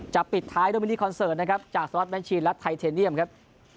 จะปิดท้ายนะครับจากและครับ